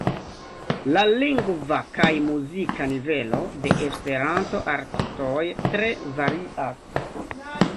La lingva kaj muzika nivelo de Esperanto-artistoj tre varias.